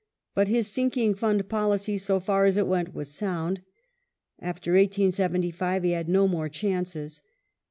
But his sinking fund policy, so far as it went, was sound. After 1875 he had no more chances.